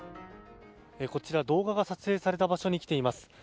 こちら、動画が撮影された場所にきています。